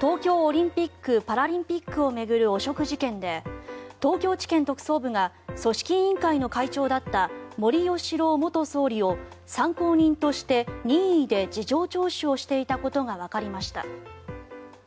東京オリンピック・パラリンピックを巡る汚職事件で東京地検特捜部が組織委員会の会長だった森喜朗元総理を参考人として任意で事情聴取をしていたことがわかりました。